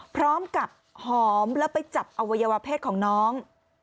พร้อมกับหอมแล้วไปจับอวัยวะเพศของน้อง